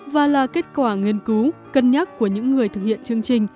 và là kết quả nghiên cứu cân nhắc của những người thực hiện chương trình